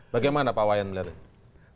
bagaimana pak wayan melihatnya